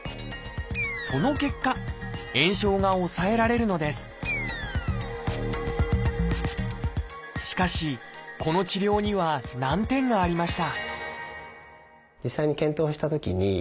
その結果炎症が抑えられるのですしかしこの治療には難点がありました